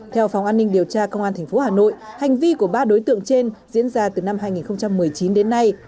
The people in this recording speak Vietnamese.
theo phòng an ninh điều tra công an tp hà nội hành vi của ba đối tượng trên diễn ra từ năm hai nghìn một mươi chín đến nay